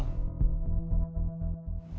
padahal semua udah terjadi